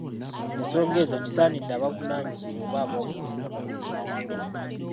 Ensonga ezo kisaanidde abavunaanyizibwa oba ab'obuyinza baziyingiremu.